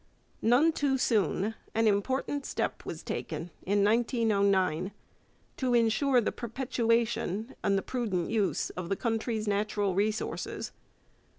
None too soon, an important step was taken in 1909 to ensure the perpetuation or the prudent use of the country's natural resources.